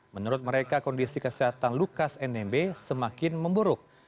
menurut mereka kondisi kesehatan lukas nmb semakin memburuk